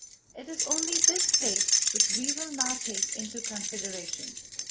It is only this state which we will now take into consideration.